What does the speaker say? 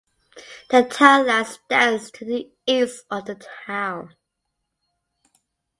The townland stands to the east of the town.